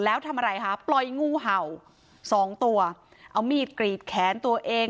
แล้วทำอะไรคะปล่อยงูเห่าสองตัวเอามีดกรีดแขนตัวเอง